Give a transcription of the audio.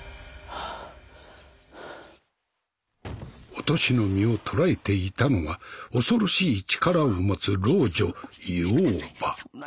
お敏の身を捕らえていたのは恐ろしい力を持つ老女妖婆。